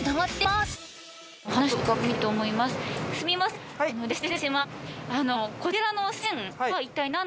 すみません。